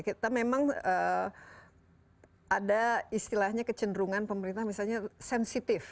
kita memang ada istilahnya kecenderungan pemerintah misalnya sensitif